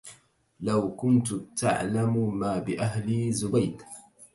لو كنت تعلم ما بأهل زبيد